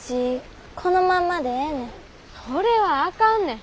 それはあかんねん。